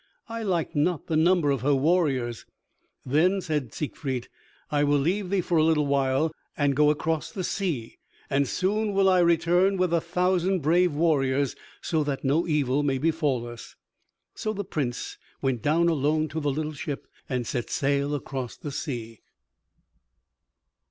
"I like not the number of her warriors." Then said Siegfried, "I will leave thee for a little while and go across the sea, and soon will I return with a thousand brave warriors, so that no evil may befall us." So the Prince went down alone to the little ship and set sail across the sea.